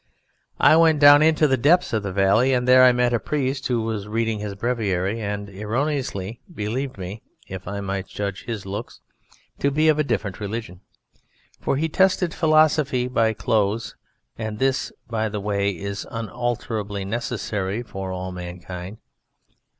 I went down into the depth of the valley, and there I met a priest who was reading his Breviary and erroneously believed me (if I might judge his looks) to be of a different religion, for he tested philosophy by clothes; and this, by the way, is unalterably necessary for all mankind.